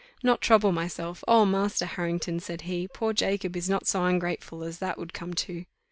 "Not trouble myself! Oh, Master Harrington," said he, "poor Jacob is not so ungrateful as that would come to."